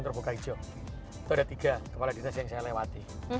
terus ada tiga kepala dinas yang saya lewati